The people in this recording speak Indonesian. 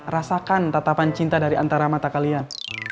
rasakan tatapan cinta dari antara mata kalian